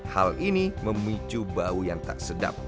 hal ini memicu bau yang tak sedap